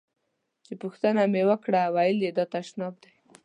چې پوښتنه مې وکړه ویل یې دا تشناب دی.